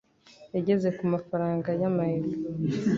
Yageze ku mafaranga . yama euro.